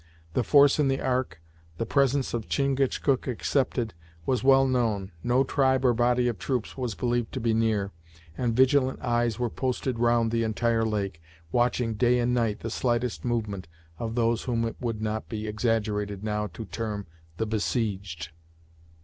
The force in the Ark, the presence of Chingachgook excepted, was well known, no tribe or body of troops was believed to be near, and vigilant eyes were posted round the entire lake, watching day and night the slightest movement of those whom it would not be exaggerated now to term the besieged.